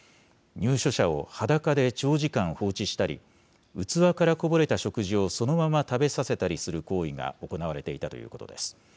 入所者を裸で長時間放置したり、器からこぼれた食事をそのまま食べさせたりする行為が行われていたということです。